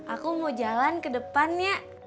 aku mau jalan ke depannya